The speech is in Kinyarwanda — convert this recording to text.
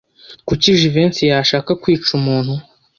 Kuki Jivency yashaka kwica umuntu?